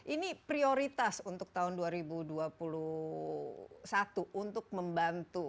ini prioritas untuk tahun dua ribu dua puluh satu untuk membantu